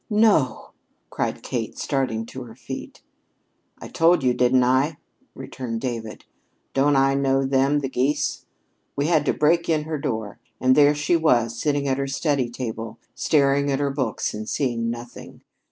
"No!" cried Kate, starting to her feet. "I told you, didn't I?" returned David. "Don't I know them, the geese? We had to break in her door, and there she was sitting at her study table, staring at her books and seeing nothing.